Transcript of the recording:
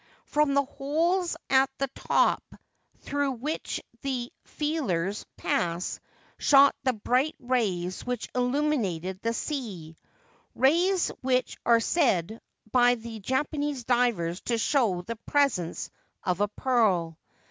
From the holes at the top through which the feelers pass shot the bright rays which illuminated the sea, — rays which are said by the Japanese divers to show the presence of a pearl.